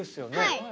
はい。